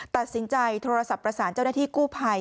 ตัดสินใจโทรศัพท์ประสานเจ้าหน้าที่กู้ภัย